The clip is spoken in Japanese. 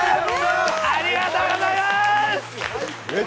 ありがとうございます。